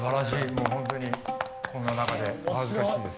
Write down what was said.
もう本当にこんな中でお恥ずかしいです。